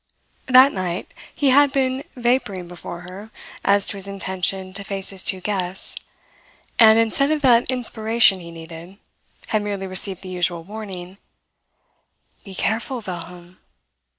That night he had been vapouring before her as to his intention to face his two guests and, instead of that inspiration he needed, had merely received the usual warning: "Be careful, Wilhelm."